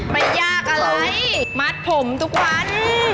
ไปยากกันเลยมัดผมทุกวัน